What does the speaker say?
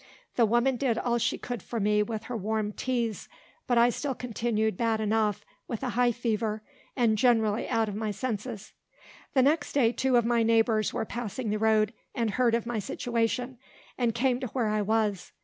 The woman did all she could for me with her warm teas, but I still continued bad enough, with a high fever, and generally out of my senses. The next day two of my neighbours were passing the road, and heard of my situation, and came to where I was.